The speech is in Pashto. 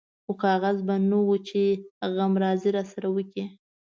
خو کاغذ به نه و چې غمرازي راسره وکړي.